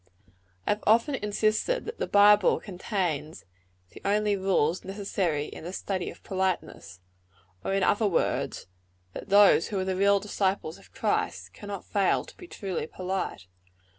I have often insisted that the Bible contains the only rules necessary in the study of politeness or in other words, that those who are the real disciples of Christ, cannot fail to be truly polite.